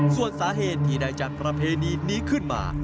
ส่วนสาเหตุที่ได้จากประเพณีนี้ขึ้นมา